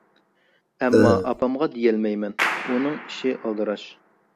ئەمما ئاپامغا دېيەلمەيمەن، ئۇنىڭ ئىشى ئالدىراش.